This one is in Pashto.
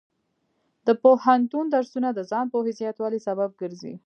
د پوهنتون درسونه د ځان پوهې زیاتوالي سبب ګرځي.